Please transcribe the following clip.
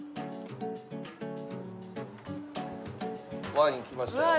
ワイン来ましたよ。